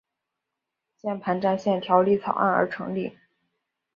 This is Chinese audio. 键盘战线条例草案而成立。